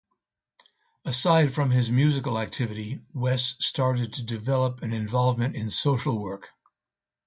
Aside from his musical activity, Wes started to develop an involvement in social work.